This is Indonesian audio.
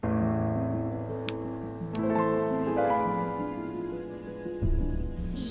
kami sudah bebas